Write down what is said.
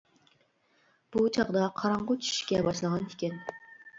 بۇ چاغدا قاراڭغۇ چۈشۈشكە باشلىغان ئىكەن.